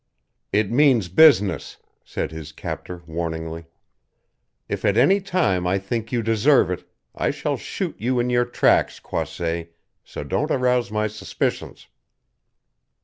"It means business," said his captor warningly. "If at any time I think you deserve it I shall shoot you in your tracks, Croisset, so don't arouse my suspicions."